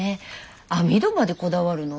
網戸までこだわるの？